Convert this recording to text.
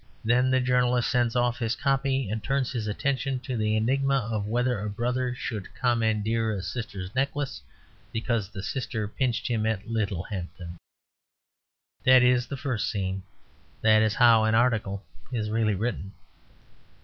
Then the journalist sends off his copy and turns his attention to the enigma of whether a brother should commandeer a sister's necklace because the sister pinched him at Littlehampton. That is the first scene; that is how an article is really written.